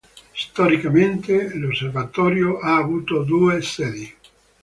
Storicamente l'osservatorio ha avuto due sedi.